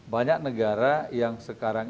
banyak negara yang sekarang